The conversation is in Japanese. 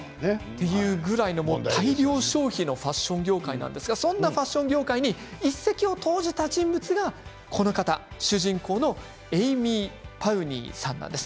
それぐらい大量消費のファッション業界なんですがそんなファッション業界に一石を投じた人物が、この方主人公のエイミー・パウニーさんなんです。